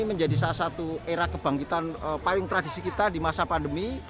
menjadi salah satu era kebangkitan payung tradisi kita di masa pandemi